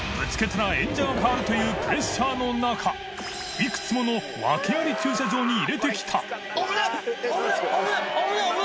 燭演者が代わるというプレッシャーの中磴い弔發ワケあり駐車場に入れてきた狩野）